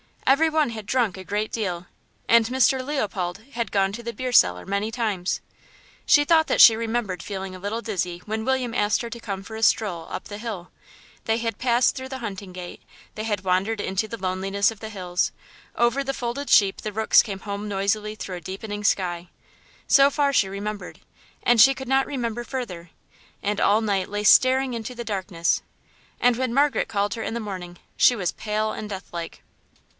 Everyone had drunk a great deal; and Mr. Leopold had gone to the beer cellar many times. She thought that she remembered feeling a little dizzy when William asked her to come for a stroll up the hill. They had passed through the hunting gate; they had wandered into the loneliness of the hills. Over the folded sheep the rooks came home noisily through a deepening sky. So far she remembered, and she could not remember further; and all night lay staring into the darkness, and when Margaret called her in the morning she was pale and deathlike.